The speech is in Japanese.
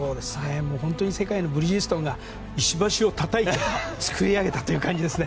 本当に世界のブリヂストンが石橋をたたいて作り上げたという感じですね。